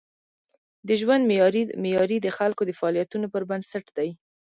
د ژوند معیاري د خلکو د فعالیتونو پر بنسټ دی.